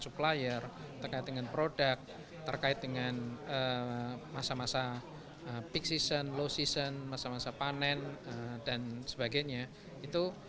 supplier terkait dengan produk terkait dengan masa masa peak season low season masa masa panen dan sebagainya itu